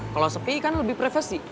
kalau sepi kan lebih privasi